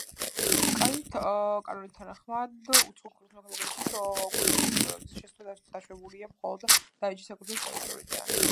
კერძოდ, კანონის თანახმად, უცხო ქვეყნის მოქალაქეებისათვის ოკუპირებულ ტერიტორიებზე შესვლა დაშვებულია მხოლოდ დანარჩენი საქართველოს ტერიტორიიდან.